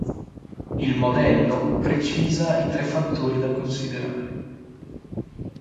Il modello precisa i tre fattori da considerare.